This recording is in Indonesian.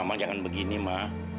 mama jangan begini ma